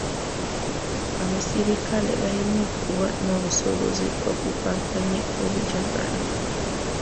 Abaserikale balina okuba n'obusobozi okukakkanya obujagalalo.